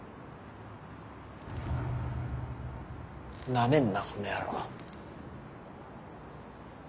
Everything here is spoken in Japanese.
ナメんなこの野郎。